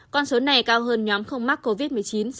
con số này cao hơn nhóm không mắc covid một mươi chín sáu mươi